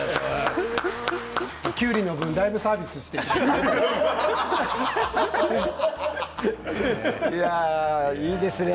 きゅうりの分だいぶサービスがありましたね。